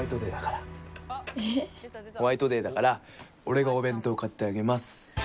ホワイトデーだから俺がお弁当買ってあげます！